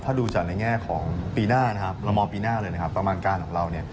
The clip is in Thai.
ถ้าดูจากของปีหน้ารมปีหน้าเลยตำรงการของเรา